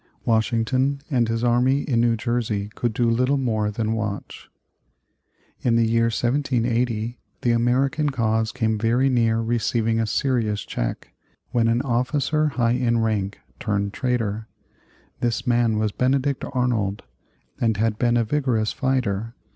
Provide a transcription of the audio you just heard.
Washington and his army in New Jersey could do little more than watch. In the year 1780 the American cause came very near receiving a serious check, when an officer high in rank turned traitor. This man was Benedict Arnold, and had been a vigorous fighter.